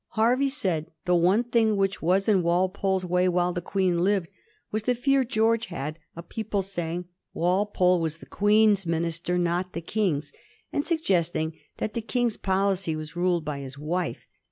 Hervey said the ope thing which was in Walpole's way while the Queen lived was the fear George had of people saying Walpole was the Queen's minister, not the King's, and suggesting that the King's policy was ruled by his wife.